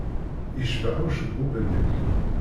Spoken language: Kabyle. Yecbeḥ ucebbub-nnek.